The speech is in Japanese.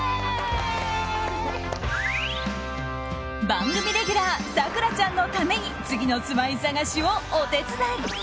番組レギュラー咲楽ちゃんのために次の住まい探しをお手伝い。